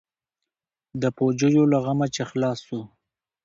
د پوجيو له غمه چې خلاص سو.